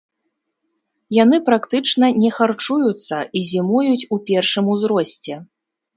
Яны практычна не харчуюцца і зімуюць у першым узросце.